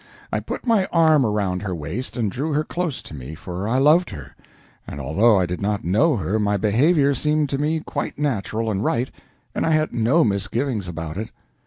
I put my arm around her waist and drew her close to me, for I loved her; and although I did not know her, my behavior seemed to me quite natural and right, and I had no misgivings about it.